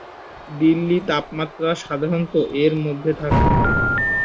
দিল্লি তাপমাত্রা সাধারণত -এর মধ্যে থাকে।